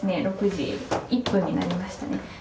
６時１分になりましたね。